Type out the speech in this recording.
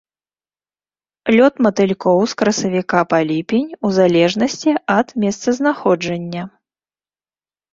Лёт матылькоў з красавіка па ліпень у залежнасці ад месцазнаходжання.